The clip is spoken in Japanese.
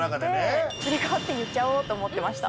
つり革って言っちゃおうと思ってました。